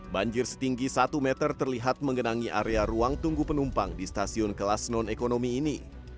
banjir setinggi satu meter terlihat menggenangi area ruang tunggu penumpang di stasiun kelas non ekonomi ini